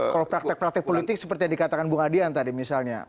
kalau praktek praktek politik seperti yang dikatakan bung adian tadi misalnya